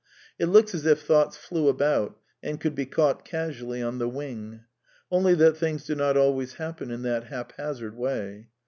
It looks as if thoughts flew about, and could be caught casually on the wing; only that things do not always happen in that haphazard way.